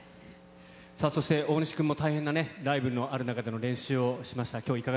そして大西君も大変なライブのある中での練習をしました。